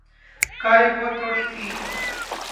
کاریں بہت تھوڑی تھیں۔